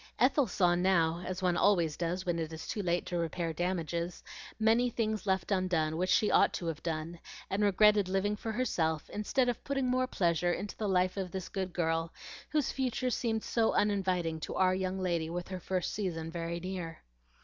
Ethel saw now, as one always does when it is too late to repair damages, many things left undone which she ought to have done, and regretted living for herself instead of putting more pleasure into the life of this good girl, whose future seemed so uninviting to our young lady with her first season very near.